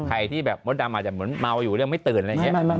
ใครที่แบบมดดำอาจจะเหมือนเมาอยู่เรื่องไม่ตื่นอะไรอย่างนี้